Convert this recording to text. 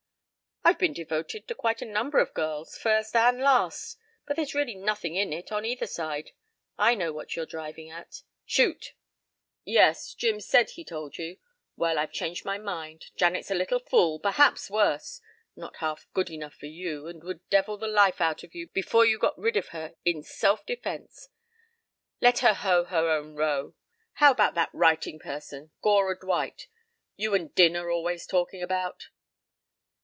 "I've been devoted to quite a number of girls, first and last, but there's really been nothing in it on either side. I know what you're driving at. Shoot." "Yes, Jim said he told you. Well, I've changed my mind. Janet's a little fool, perhaps worse. Not half good enough for you and would devil the life out of you before you got rid of her in self defence. Let her hoe her own row. How about that writing person, Gora Dwight, you and Din are always talking about?"